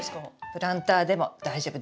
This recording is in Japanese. プランターでも大丈夫。